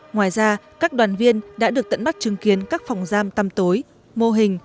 ngoài ra các đoàn viên đã được tận mắt chứng kiến các phòng giam tăm tối mô hình